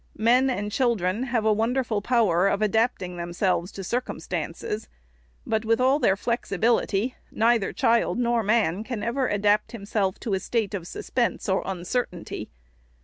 Men and children have a wonder ful power of adapting themselves to circumstances ; but, with all their flexibility, neither child nor man can ever adapt himself to a state of suspense or uncertainty.